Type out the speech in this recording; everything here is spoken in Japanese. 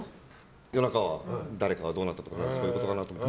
夜中、誰かがどうなったかとかそういうことかなって思って。